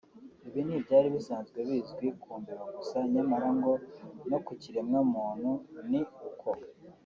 Ibi ni ibyari bisanzwe bizwi ku mbeba gusa nyamara ngo no ku kiremwa muntu ni uko